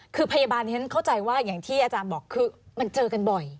คือพยาบาลที่ฉันเข้าใจว่าอย่างที่อาจารย์บอกคือมันเจอกันบ่อย